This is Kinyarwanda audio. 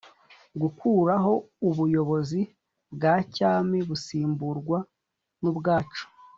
Gukuraho ubuyobozi bwa cyami busimburwa n ubwacu